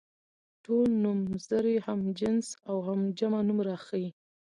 ټول نومځري هم جنس او جمع نوم راښيي.